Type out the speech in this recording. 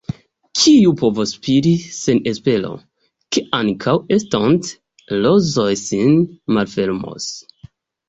Kiu povus spiri sen espero, ke ankaŭ estonte rozoj sin malfermos.